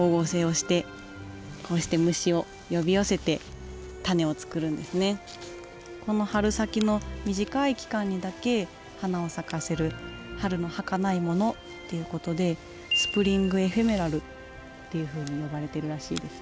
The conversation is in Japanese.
カタクリのように背丈が低い草花にとっては今この春先の短い期間にだけ花を咲かせる「春のはかないもの」っていうことで「スプリング・エフェメラル」っていうふうに呼ばれてるらしいですよ。